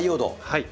はい。